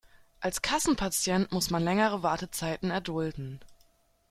Als Kassenpatient muss man längere Wartezeiten erdulden.